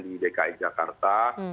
di bki jakarta